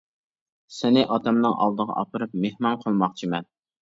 سېنى ئاتامنىڭ ئالدىغا ئاپىرىپ مېھمان قىلماقچىمەن.